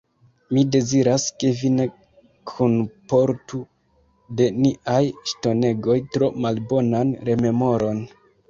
Mi deziras, ke vi ne kunportu de niaj ŝtonegoj tro malbonan rememoron.